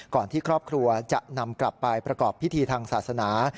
ที่ครอบครัวจะนำกลับไปประกอบพิธีทางศาสนา